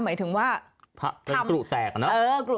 หมายถึงดังกลุแตก